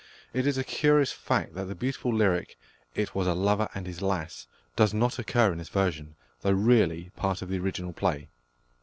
It is a curious fact that the beautiful lyric, "It was a lover and his lass," does not occur in this version, though really part of the original play.